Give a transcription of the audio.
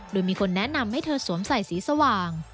โดยมีคนแนะนำให้เธอสวมใส่สีสว่าง